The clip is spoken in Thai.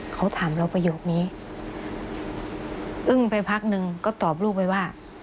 เขาถามเราประโยคนี้อึ้งไปพักนึงก็ตอบลูกไปว่า